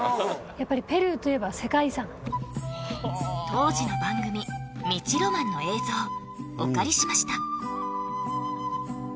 やっぱりペルーといえば世界遺産当時の番組「道浪漫」の映像お借りしました